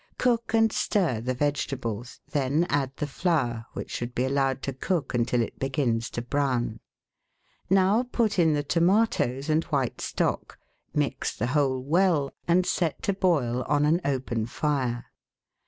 Cook and stir the vegetables, then add the flour, which should be allowed to cook until it begins to brown. Now put in the tomatoes and white stock, mix the whole well, and set to boil on an open fire.